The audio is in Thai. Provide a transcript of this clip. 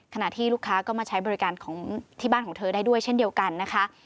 ขณะที่ลูกค้าก็มาใช้บริการของที่บ้านของเธอได้ด้วยเช่นเดียวกันนะคะ